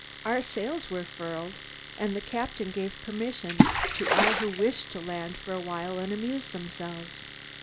Our sails were furled, and the captain gave permission to all who wished to land for a while and amuse themselves.